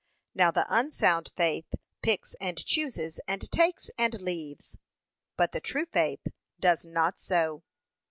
Now the unsound faith picks and chooses, and takes and leaves, but the true faith does not so.